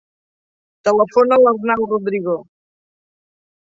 Telefona a l'Arnau Rodrigo.